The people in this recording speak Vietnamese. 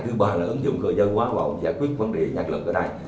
thứ ba là ứng dụng cơ dân hóa vào giải quyết vấn đề nhạc lực ở đây